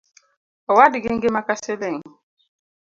Owadgi ngima ka siling